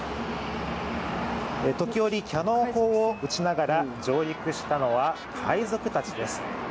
時折、キャノン砲を撃ちながら上陸したのは海賊たちです。